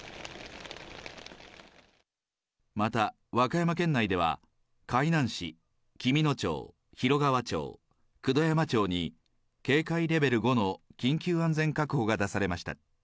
また和歌山県内では、海南市、紀美野町、広川町、九度山町に警戒レベル５の緊急安全確保が出されました。